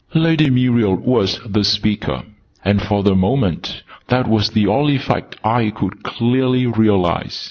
Lady Muriel was the speaker. And, for the moment, that was the only fact I could clearly realise.